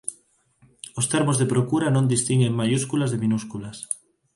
Os termos de procura non distinguen maiúsculas de minúsculas.